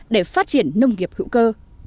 để phát triển nông nghiệp hữu cơ